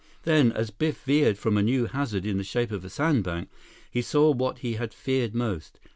Then, as Biff veered from a new hazard in the shape of a sandbank, he saw what he had feared most.